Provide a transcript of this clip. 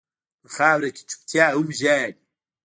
په خاوره کې چپتيا هم ژاړي.